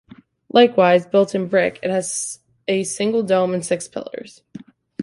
Likewise built in brick, it has a single dome and six pillars.